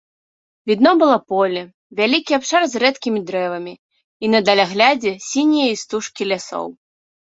Відно было поле, вялікі абшар з рэдкімі дрэвамі і на даляглядзе сінія істужкі лясоў.